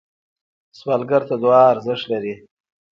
سوالګر ته دعا ارزښت لري